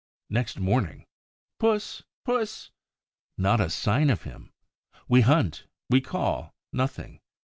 Next morning: "Puss! Puss!" Not a sign of him! We hunt, we call. Nothing.